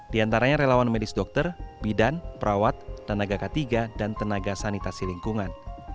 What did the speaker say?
di antaranya relawan medis dokter bidan perawat tenaga k tiga dan tenaga sanitasi lingkungan